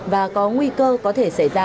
và có nguy cơ có thể xảy ra